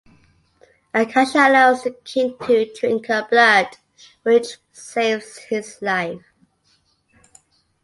Akasha allows the king to drink her blood, which saves his life.